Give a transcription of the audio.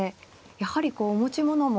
やはりこうお持ち物も